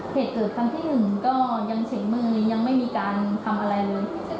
เหตุเกิดครั้งที่หนึ่งก็ยังเสียงมือยังไม่มีการทำอะไรเลย